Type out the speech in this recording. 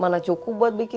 allah ta'ala murni parkir